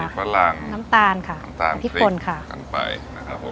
ฝรั่งน้ำตาลค่ะน้ำตาลพริกปนค่ะกันไปนะครับผม